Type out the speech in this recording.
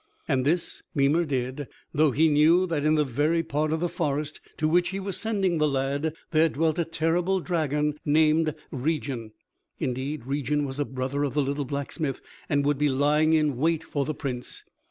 And this Mimer did, though he knew that in the very part of the forest to which he was sending the lad there dwelt a terrible dragon, named Regin. Indeed Regin was a brother of the little blacksmith, and would be lying in wait for the Prince.